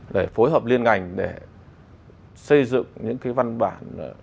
để phối hợp liên ngành để xây dựng những cái văn bản